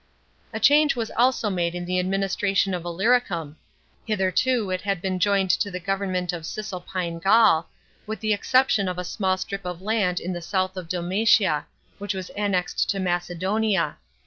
A change was also made in the administration of lllyricum Hitherto it had been joined to the government of Cisalpine Gaul, with the exception of a small strip of land in the south of Dalmatia; which was annexed to Macedonia.